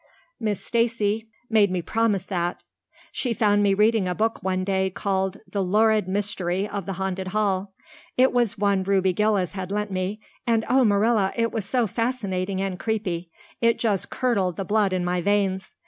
Miss Stacy made me promise that. She found me reading a book one day called, The Lurid Mystery of the Haunted Hall. It was one Ruby Gillis had lent me, and, oh, Marilla, it was so fascinating and creepy. It just curdled the blood in my veins.